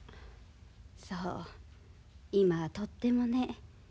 そう今はとってもね。